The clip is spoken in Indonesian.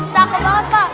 cakep banget pak